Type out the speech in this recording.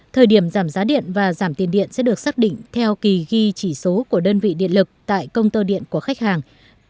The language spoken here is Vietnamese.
thời điểm giảm giá điện và giảm tiền điện sẽ được xác định theo kỳ ghi chỉ số của đơn vị điện lực tại công tơ điện của khách hàng